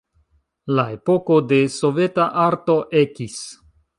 La epoko de soveta arto ekis.